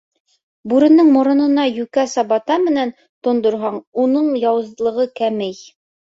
Бүренең моронона йүкә сабата менән тондорһаң, уның яуызлығы кәмей.